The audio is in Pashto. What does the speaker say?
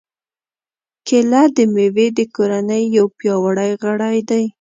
کېله د مېوې د کورنۍ یو پیاوړی غړی دی.